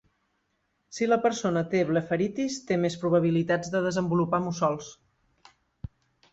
Si la persona té blefaritis, té més probabilitats de desenvolupar mussols.